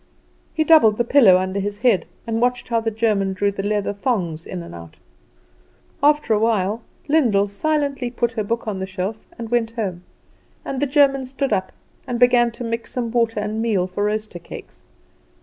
He doubled the pillar under his head, and watched how the German drew the leather thongs in and out. After a while Lyndall silently put her book on the shelf and went home, and the German stood up and began to mix some water and meal for roaster cakes.